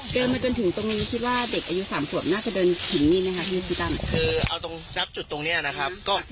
คือมาจนถึงคนหนีคิดว่าเด็กอายุสามหมวดและก็เดินถึงนี่นะครับที่ต้องเอาตรงกับจุดตรงเนี้ยนะครับก็